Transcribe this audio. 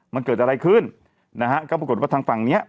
มันเกิดอะไรขึ้นนะฮะก็ปรากฏว่าทางฝั่งเนี้ย